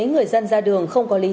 giấy này sẽ không hợp lệ